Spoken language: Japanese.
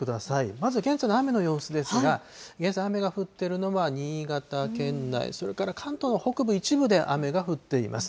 まず現在の雨の様子ですが、現在、雨が降ってるのは新潟県内、それから関東の北部一部で雨が降っています。